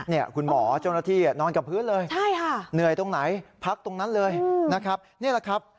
เนี่ยคุณหมอจงนาที่นอนกลับพื้นเลยใช่ค่ะเหนื่อยตรงไหนพักตรงนั้นเลยนะครับ